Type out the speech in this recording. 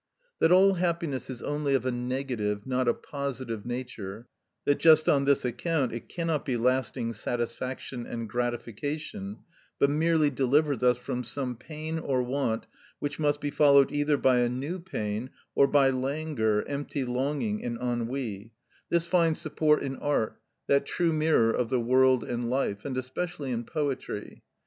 That all happiness is only of a negative not a positive nature, that just on this account it cannot be lasting satisfaction and gratification, but merely delivers us from some pain or want which must be followed either by a new pain, or by languor, empty longing, and ennui; this finds support in art, that true mirror of the world and life, and especially in poetry.